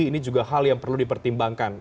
ini juga hal yang perlu dipertimbangkan